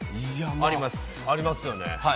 ありますよね、はい。